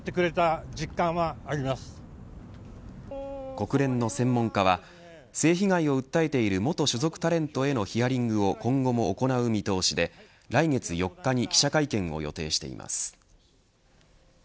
国連の専門家は性被害を訴えている元所属タレントへのヒアリングを今後も行う見通しで、来月４日に記者会見を予定しています。